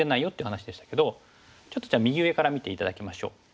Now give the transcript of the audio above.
ちょっとじゃあ右上から見て頂きましょう。